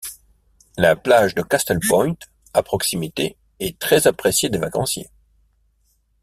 La plage de Castlepoint, à proximité, est très appréciée des vacanciers.